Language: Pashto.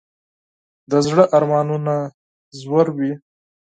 د زړه ارمانونه ژور وي.